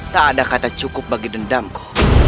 tak ada kata cukup bagi dendamku